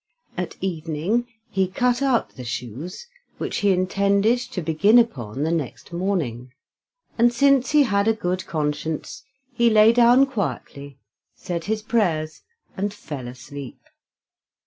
At evening he cut out the shoes which he intended to begin upon the next morning, and since he had a good conscience, he lay down quietly, said his prayers, and fell asleep.